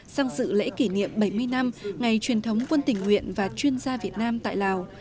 sang dự lễ kỷ niệm bảy mươi năm ngày truyền thống quân tình nguyện và chuyên gia việt nam tại lào